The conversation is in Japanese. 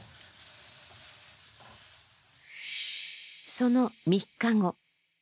その３日後。